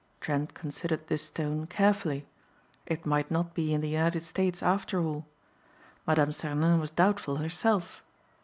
Trent considered this stone carefully. It might not be in the United States after all. Mme. Sernin was doubtful herself.